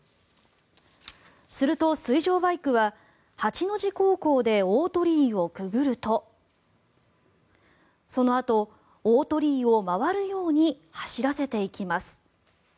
すると、水上バイクは８の字航行で大鳥居をくぐるとそのあと大鳥居を回るように走らせていきます。